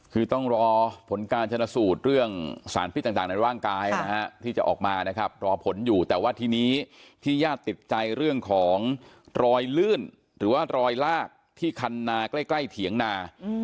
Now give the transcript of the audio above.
คือต้องรอผลการจะเนาะสูนกับสารพิษต่างในหว่างกายที่จะออกมา